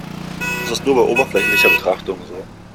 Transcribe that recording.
Das ist nur bei oberflächlicher Betrachtung so.